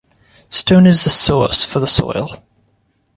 Stone is the source for the soil.